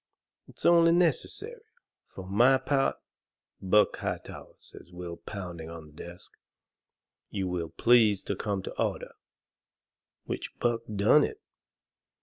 It's only necessary. For my part " "Buck Hightower," says Will, pounding on the desk, "you will please come to order." Which Buck done it.